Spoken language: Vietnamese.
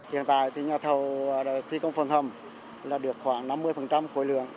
hiện tại thì nhà thầu đã thi công phần hầm là được khoảng năm mươi khối lượng